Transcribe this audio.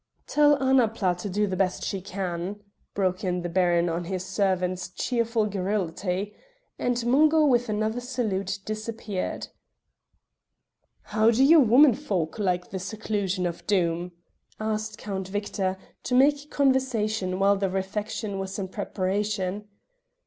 "Tell Annapla to do the best she can," broke in the Baron on his servant's cheerful garrulity; and Mungo with another salute disappeared. "How do your women folk like the seclusion of Doom?" asked Count Victor, to make conversation while the refection was in preparation.